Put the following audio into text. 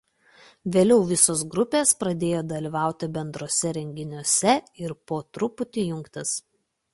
Vėliau visos grupės pradėjo dalyvauti bendruose renginiuose ir po truputį jungtis.